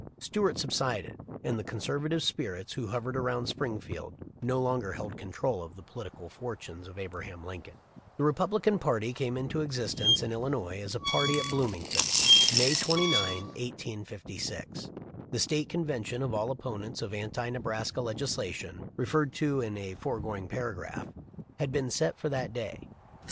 Stuart subsided, and the con servative spirits who hovered around Springfield no longer held control of the political fortunes of Abraham Lincoln. The Republican party came into existence in Illinois as a party at Bloomington, May 29, 1856. The State convention of all opponents of anti Nebraska legislation, referred to in a foregoing para graph, had been set for that day.